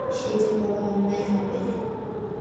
সে যে বড়ো অন্যায় হবে।